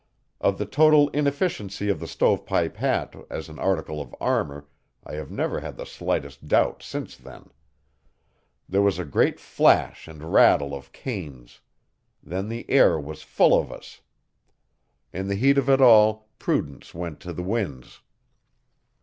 Of the total inefficiency of the stove pipe hat as an article of armour, I have never had the slightest doubt since then. There was a great flash and rattle of canes. Then the air was full of us. In the heat of it all prudence went to the winds.